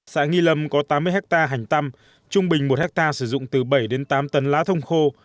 xã nghi lâm có tám mươi hectare hành tăm trung bình một hectare sử dụng từ bảy đến tám tấn lá thông khô